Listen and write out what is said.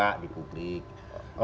ada yang perlu diperbaiki